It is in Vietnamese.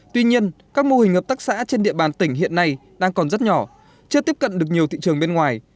tuy nhiên các mô hình hợp tác xã trên địa bàn tỉnh hiện nay đang còn rất nhỏ chưa tiếp cận được nhiều thị trường bên ngoài